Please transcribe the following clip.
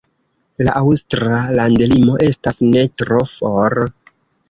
La aŭstra landlimo estas ne tro for.